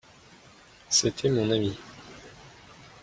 C'était mon ami.